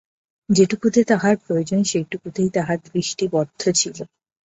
যেটুকুতে তাহার প্রয়োজন সেইটুকুতেই তাহার দৃষ্টি বদ্ধ ছিল।